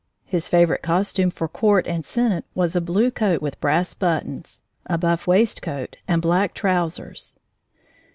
His favorite costume for court and senate was a blue coat with brass buttons, a buff waistcoat, and black trousers.